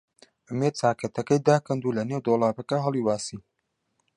ئومێد چاکەتەکەی داکەند و لەنێو دۆڵابەکە هەڵی واسی.